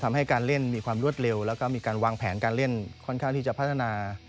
ทำให้การเล่นมีความรวดเร็วแล้วก็มีการวางแผนการเล่นค่อนข้างที่จะพัฒนา